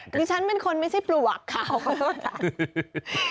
คือฉันเป็นคนไม่ใช่ปลวักข่าวขอโทษนะ